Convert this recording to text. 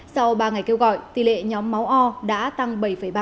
sau ba ngày kêu gọi tỷ lệ nhóm máu o đã tăng bảy ba